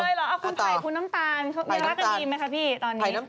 เอาคุณไผ่คุณน้ำตาลรักกันดีไหมคะพี่ตอนนี้